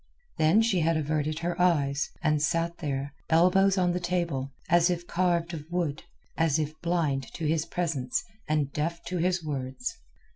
Then she had averted her eyes, and sat there, elbows on the table, as if carved of wood, as if blind to his presence and deaf to his words.